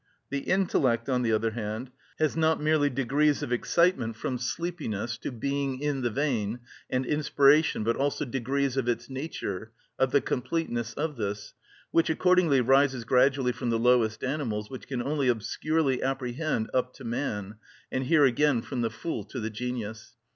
The intellect, on the other hand, has not merely degrees of excitement, from sleepiness to being in the vein, and inspiration, but also degrees of its nature, of the completeness of this, which accordingly rises gradually from the lowest animals, which can only obscurely apprehend, up to man, and here again from the fool to the genius.